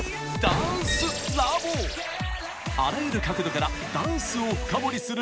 あらゆる角度からダンスを深掘りする